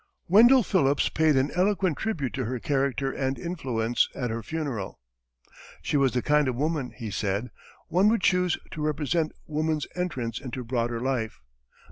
Wendell Phillips paid an eloquent tribute to her character and influence, at her funeral: "She was the kind of woman," he said, "one would choose to represent woman's entrance into broader life.